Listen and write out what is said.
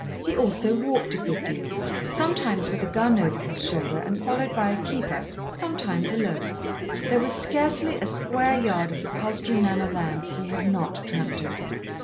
He also walked a good deal, sometimes with a gun over his shoulder and followed by a keeper, sometimes alone. There was scarcely a square yard of the Palstrey Manor lands he had not tramped over.